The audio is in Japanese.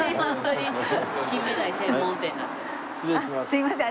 すいません。